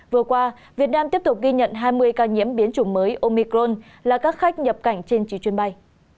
vừa qua việt nam tiếp tục ghi nhận hai mươi ca nhiễm biến chủng mới omicron là các khách nhập cảnh trên trí chuyến bay